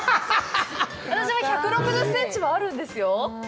私は１６０センチはあるんですよ。